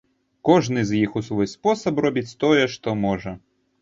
Кожны з іх у свой спосаб робіць тое, што можа.